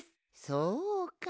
そうか。